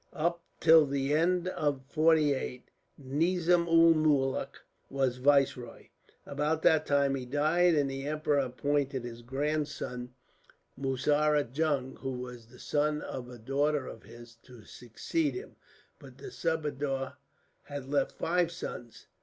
Up till the end of 'forty eight, Nizam Ul Mulk was viceroy. About that time he died, and the emperor appointed his grandson, Muzaffar Jung, who was the son of a daughter of his, to succeed him. But the subadar had left five sons.